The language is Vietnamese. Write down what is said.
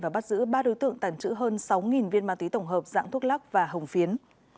giữ ba đối tượng tàn trữ hơn sáu viên ma túy tổng hợp dạng thuốc lắc và hồng phiến